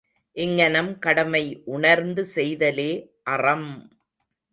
இங்ஙனம் கடமை உணர்ந்து செய்தலே அறம்!